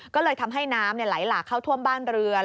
ก็เลยทำให้น้ำไหลหลากเข้าท่วมบ้านเรือน